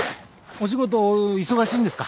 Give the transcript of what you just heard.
お仕事忙しいんですか？